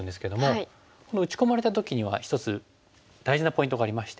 この打ち込まれた時には一つ大事なポイントがありまして。